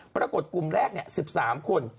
ปรากฏกลุ่มแรก๑๓คน